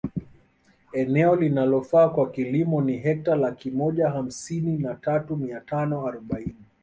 Eneo linalofaa kwa kilimo ni hekta laki moja hamsini na tatu mia tano arobaini